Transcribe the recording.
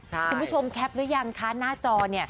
คุณผู้ชมแคปหรือยังคะหน้าจอเนี่ย